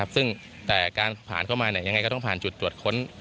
ซึ่งแต่การผ่านเข้ามายังไงก็ต้องผ่านจุดตรวจค้น